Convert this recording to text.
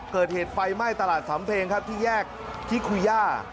เกิดเหตุไฟไหม้ตลาดสำเพงครับที่แยกที่คูย่า